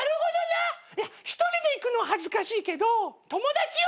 １人で行くのは恥ずかしいけど友達を。